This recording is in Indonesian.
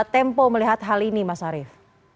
tempo melihat hal ini mas arief